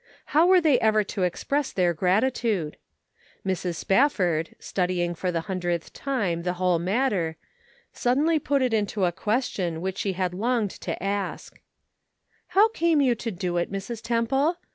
How were they ever to express their gratitude? Mrs. Spafford, studying for the hundredth time the whole matter, suddenly put it into a question which she had longed to ask :" How came you to do it, Mrs. Temple